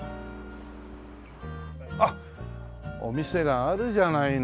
あっお店があるじゃないのよほら。